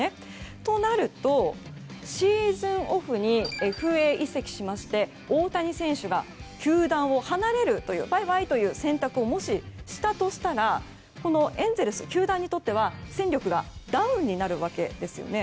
となると、シーズンオフにＦＡ移籍しまして大谷選手が、球団を離れるバイバイという選択をしたら球団にとっては戦力がダウンになるわけですよね。